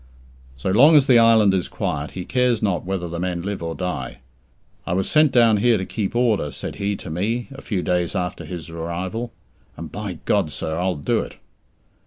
So long as the island is quiet, he cares not whether the men live or die. "I was sent down here to keep order," said he to me, a few days after his arrival, "and by God, sir, I'll do it!"